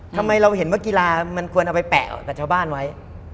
ทำไมเราเห็นว่ากีฬามันควรเอาไปแปะออกจากชาวบ้านไว้